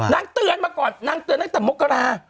นางเตือนมาก่อนนางเตือนตั้งแต่มกรา